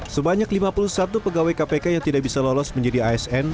sebenarnya sebagian dari lima puluh satu pegawai kpk yang tidak bisa lolos menjadi asn